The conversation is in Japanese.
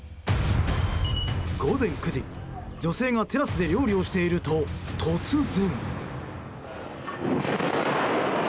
午前９時、女性がテラスで料理をしていると、突然。